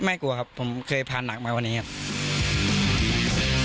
ไม่กลัวครับผมเคยพาหนักมาวันนี้ครับ